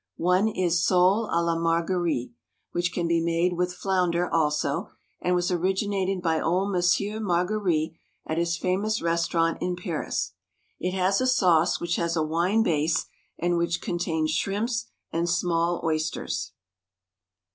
One is "Sole a la Marguery" (which can be made with flounder, also) and was originated by old Monsieur Marguery at his famous restaurant in Paris. It has a sauce which has a wine base and which contains shrimps and small oysters.